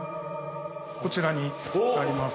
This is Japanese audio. こちらにあります。